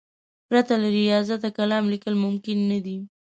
پرته له ریاضته کالم لیکل ممکن نه دي.